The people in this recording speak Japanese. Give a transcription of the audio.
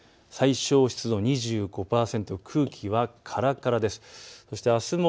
最小湿度２５％、空気はからからです。